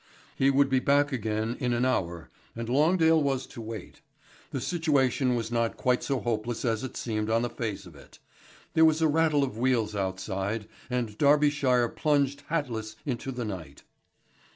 He would be back again in an hour and Longdale was to wait. The situation was not quite so hopeless as it seemed on the face of it. There was a rattle of wheels outside and Darbyshire plunged hatless into the night.